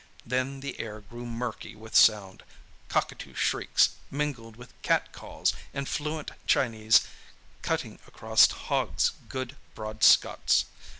Then the air grew murky with sound—cockatoo shrieks, mingled with cat calls and fluent Chinese, cutting across Hogg's good, broad Scots.